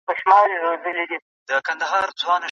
په لاسو کي درکړم